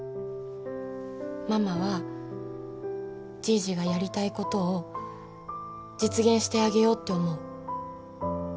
ママはじいじがやりたいことを実現してあげようって思う。